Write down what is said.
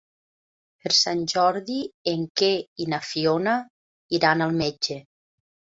Per Sant Jordi en Quer i na Fiona iran al metge.